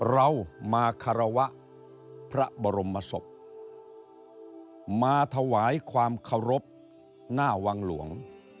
เรามาคารวะพระบรมศพมาถวายความเคารพหน้าวังหลวง